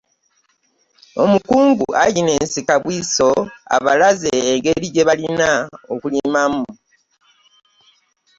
Omukugu Agnes Kabwiiso abalaze engeri gye balina okulimamu.